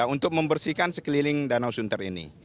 untuk membersihkan sekeliling danau sunter ini